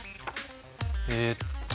えっと。